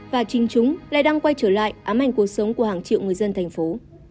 và chính chúng lại đang quay trở lại ám ảnh cuộc sống của hàng triệu người dân thành phố